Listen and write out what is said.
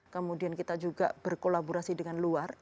kemudian kita juga berkolaborasi dengan luar